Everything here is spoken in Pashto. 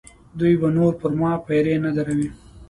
دوی به نور پر ما پیرې نه دروي.